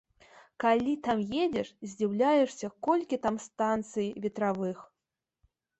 Калі там едзеш, здзіўляешся, колькі там станцый ветравых.